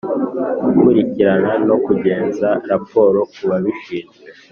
Gukurikirana No Kugeza Raporo Ku babishinzwe